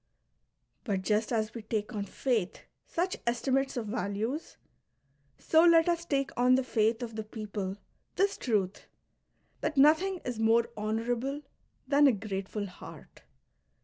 But just as we take on faith such estimates of values, so let us take on the faith of the people this truth, that nothing is more honourable than a grate ful heart.